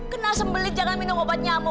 kena sembelit jangan minum obat nyamu